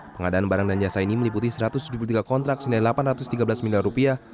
pengadaan barang dan jasa ini meliputi satu ratus tujuh puluh tiga kontrak senilai delapan ratus tiga belas miliar rupiah